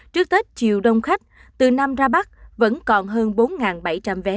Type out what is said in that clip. trước tết chiều đông khách từ nam ra bắc vẫn còn hơn bốn bảy trăm linh vé